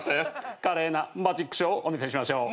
華麗なマジックショーをお見せしましょう。